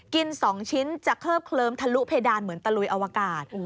๒ชิ้นจะเคิบเคลิมทะลุเพดานเหมือนตะลุยอวกาศ